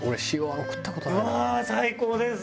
うわー最高です！